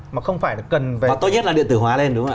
và tốt nhất là điện tử hóa lên đúng không ạ